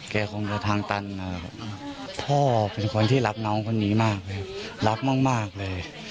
คงจะทางตันพ่อเป็นคนที่รักน้องคนนี้มากเลยครับรักมากเลย